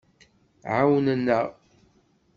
Ɛawnen-aɣ.